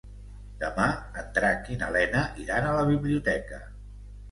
Demà en Drac i na Lena iran a la biblioteca.